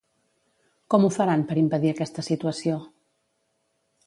Com ho faran per impedir aquesta situació?